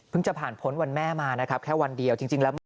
เพิ่งจะผ่านผลวันแม่มานะครับแค่วันเดียว